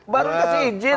baru dikasih izin